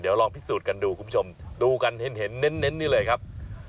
เดี๋ยวลองพิสูจน์กันดูคุณผู้ชมดูกันเห็นเน้นนี่เลยครับ